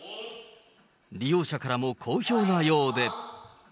利用者からも好評なようで。